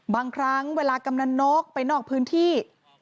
บางครั้งเวลากำนันนกไปนอกพื้นที่